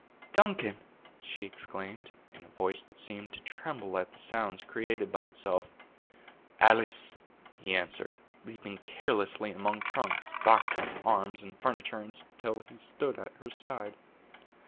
"Duncan!" she exclaimed, in a voice that seemed to tremble at the sounds created by itself. "Alice!" he answered, leaping carelessly among trunks, boxes, arms, and furniture, until he stood at her side.